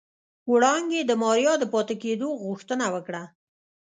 وړانګې د ماريا د پاتې کېدو غوښتنه وکړه.